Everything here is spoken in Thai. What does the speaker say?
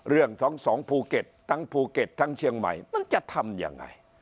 เรื่องของสองภูเก็ตทั้งภูเก็ตทั้งเชียงใหม่มันจะทำยังไง